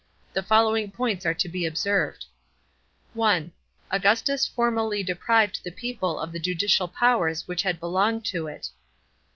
The following points are to be observed. (1) Augustus formally deprived the people of the judicial powers which had belonged to it.